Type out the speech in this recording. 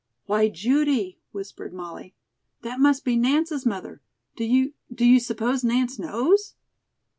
"Why, Judy," whispered Molly, "that must be Nance's mother. Do you do you suppose Nance knows?"